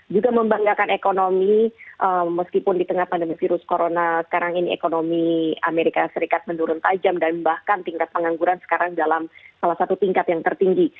juga membanggakan ekonomi meskipun di tengah pandemi virus corona sekarang ini ekonomi amerika serikat menurun tajam dan bahkan tingkat pengangguran sekarang dalam salah satu tingkat yang tertinggi